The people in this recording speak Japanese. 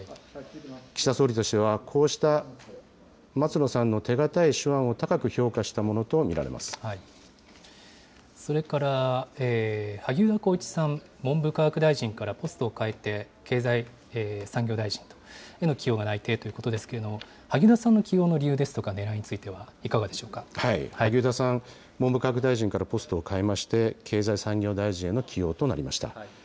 岸田総理としては、こうした松野さんの手堅い手腕を高く評価したそれから、萩生田光一さん、文部科学大臣からポストをかえて、経済産業大臣への起用が内定ということですけれども、萩生田さんの起用の理由ですとか、ねらいについてはいかがでしょう萩生田さん、文部科学大臣からポストをかえまして、経済産業大臣への起用となりました。